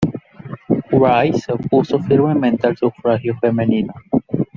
Wright se opuso firmemente al sufragio femenino.